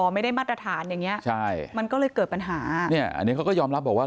ไม่ได้มาตรฐานอย่างเงี้ใช่มันก็เลยเกิดปัญหาเนี่ยอันนี้เขาก็ยอมรับบอกว่า